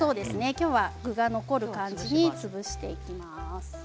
今日は具が残る感じに潰していきます。